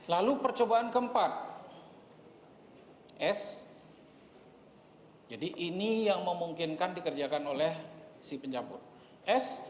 lalu percobaan keempat es hai jadi ini yang memungkinkan dikerjakan oleh si pencampur es